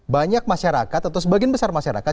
banyak masyarakat atau sebagian besar masyarakat